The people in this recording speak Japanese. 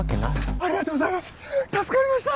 ありがとうございます助かりました。